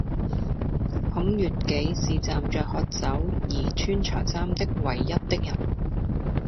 孔乙己是站着喝酒而穿長衫的唯一的人